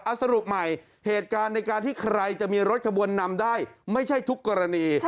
เอาสรุปใหม่เหตุการณ์ในการที่ใครจะมีรถขบวนนำได้ไม่ใช่ทุกกรณี